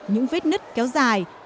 những vết nứt kéo dài